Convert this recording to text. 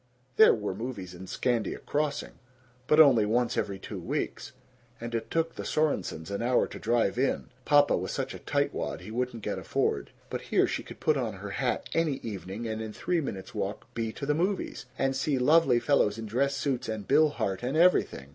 There were movies in Scandia Crossing, but only once every two weeks, and it took the Sorensons an hour to drive in papa was such a tightwad he wouldn't get a Ford. But here she could put on her hat any evening, and in three minutes' walk be to the movies, and see lovely fellows in dress suits and Bill Hart and everything!